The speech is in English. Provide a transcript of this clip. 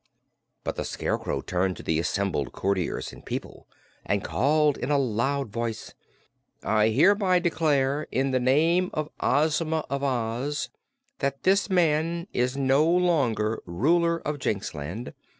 But the Scarecrow turned to the assembled courtiers and people and called in a loud voice: "I hereby declare, in the name of Ozma of Oz, that this man is no longer ruler of Jinxland.